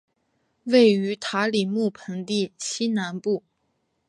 位于塔里木盆地西南部。